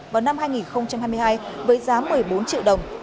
vào năm hai nghìn hai mươi hai với giá một mươi bốn triệu đồng